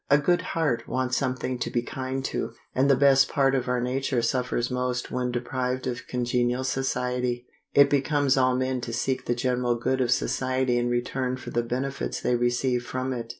A good heart wants something to be kind to; and the best part of our nature suffers most when deprived of congenial society. It becomes all men to seek the general good of society in return for the benefits they receive from it.